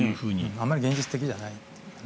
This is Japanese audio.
あまり現実的じゃないですね。